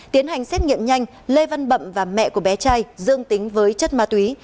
tiến hành xét nghiệm nhanh lê văn bậm và mẹ của bé trai dương tính với chất ma túy